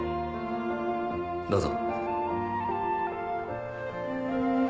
どうぞ。